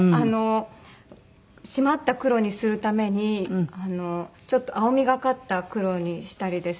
締まった黒にするためにちょっと青みがかった黒にしたりですとか。